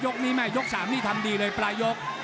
ยกนี้ไหมยก๓นี่ทำดีเลยปลายก